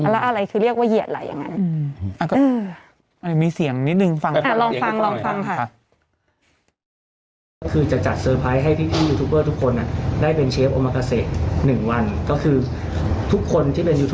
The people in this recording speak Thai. แล้วอะไรคือเรียกว่าเหยียดอะไรอย่างนั้น